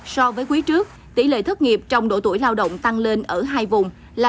so với quý trước tỷ lệ thất nghiệp trong độ tuổi lao động tăng lên ở hai vùng là bốn